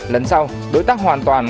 lần sau đối tác hoàn toàn